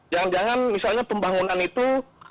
jangan jangan misalnya pembangunan itu